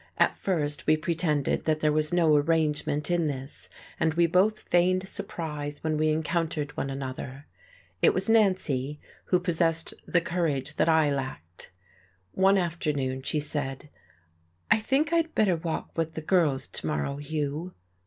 At first we pretended that there was no arrangement in this, and we both feigned surprise when we encountered one another. It was Nancy who possessed the courage that I lacked. One afternoon she said: "I think I'd better walk with the girls to morrow, Hugh."